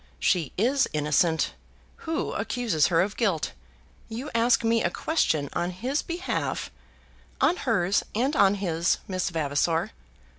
"She is innocent. Who accuses her of guilt? You ask me a question on his behalf " "On hers and on his, Miss Vavasor."